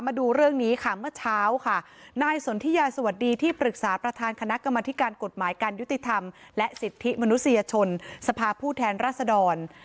มาดูเรื่องนี้ค่ะเมื่อเช้าค่ะนายสนทิยาสวัสดีที่ปรึกษาประธานคณะกรรมธิการกฎหมายการยุติธรรมและสิทธิมนุษยชนสภาพผู้แทนรัศดร